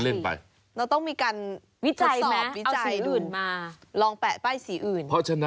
เราต้องมีการควบสอบวิจัยดูลองแปะป้ายสีอื่น